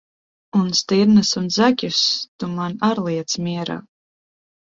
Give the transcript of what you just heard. Un stirnas un zaķus tu man ar liec mierā!